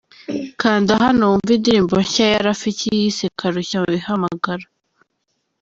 Kanda hano wumve indirimbo nshya ya Rafiki yise 'Karushya ihamagara'.